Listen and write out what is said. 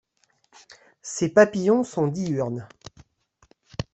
Ces papillons sont diurnes.